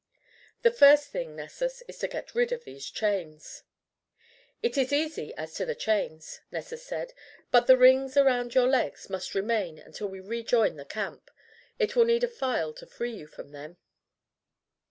"The first thing, Nessus, is to get rid of these chains." "It is easy as to the chains," Nessus said, "but the rings around your legs must remain until we rejoin the camp, it will need a file to free you from them."